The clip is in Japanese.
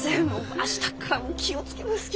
明日っからは気を付けますき！